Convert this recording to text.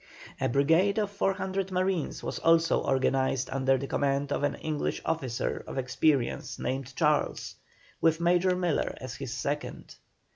A brigade of 400 marines was also organized under the command of an English officer of experience named Charles, with Major Miller as his second.